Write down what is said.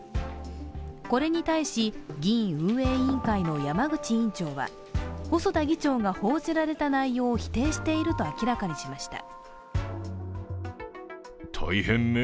これに対し、議院運営委員会の山口委員長は細田議長が報じられた内容を否定していると明らかにしました。